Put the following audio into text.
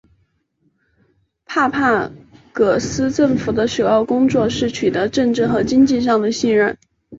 帕帕戈斯政府的首要工作是取得政治和经济上的信任。